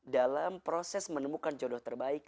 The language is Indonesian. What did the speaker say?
dalam proses menemukan jodoh terbaik